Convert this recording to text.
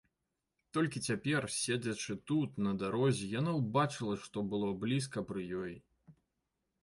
Толькі цяпер, седзячы тут, на дарозе, яна ўбачыла, што было блізка пры ёй.